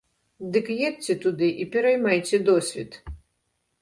Так едзьце туды і пераймайце досвед.